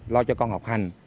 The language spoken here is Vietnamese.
lo cho con học hành